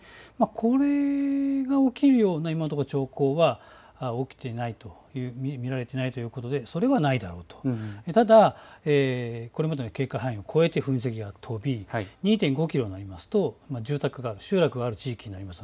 これが起きるような兆候は今のところ起きていない、見られていないということでそれはないだろうと、ただこれまでの警戒範囲を超えて噴石が飛び２．５キロになりますと住宅、集落がある地域になります。